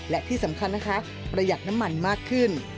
และที่สำคัญนะคะประหยัดน้ำมันมากขึ้น